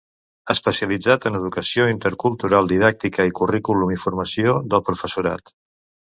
Especialitzat en educació intercultural, didàctica i currículum i formació del professorat.